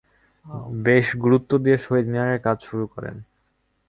বেশ গুরুত্ব দিয়ে শহীদ মিনারের কাজ শুরু করেন।